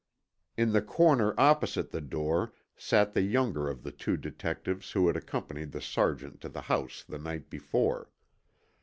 In the corner opposite the door sat the younger of the two detectives who had accompanied the Sergeant to the house the night before.